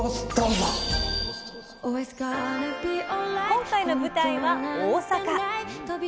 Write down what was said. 今回の舞台は大阪。